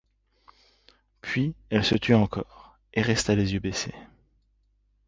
Puis elle se tut encore et resta les yeux baissés.